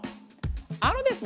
あのですね